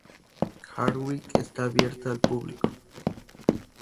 Hardwick está abierta al público.